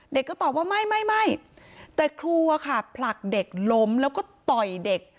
เด็กก็ตอบว่าไม่ไม่แต่ครูอะค่ะผลักเด็กล้มแล้วก็ต่อยเด็ก